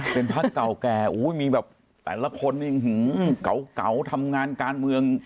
เป็นพักเก่าแก่มีแบบแต่ละคนนี่เก่าทำงานการเมือง